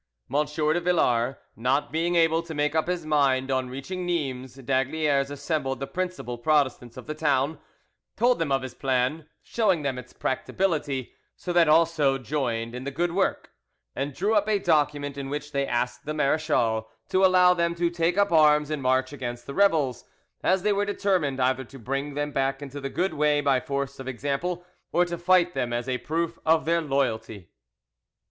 M. de Villars not being able to make up his mind, on reaching Nimes, d'Aygaliers assembled the principal Protestants of the town, told them of his plan, showing them its practicability, so that also joined in the good work, and drew up a document in which they asked the marechal to allow them to take up arms and march against the rebels, as they were determined either to bring them back into the good way by force of example or to fight them as a proof of their loyalty.